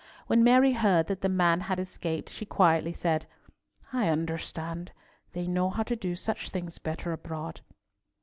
When Mary heard that the man had escaped, she quietly said, "I understand. They know how to do such things better abroad."